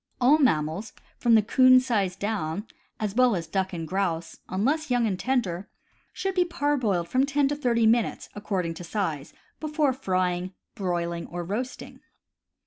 All mammals from the 'coon size down, as well as duck and grouse, unless young and tender, should be parboiled from ten to thirty minutes, according to size, before frying, broiling, or roasting.